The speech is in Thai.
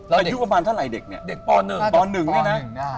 แต่อยู่ประมาณเท่าไหร่เด็กปร๑ปร๑ใช่ไหม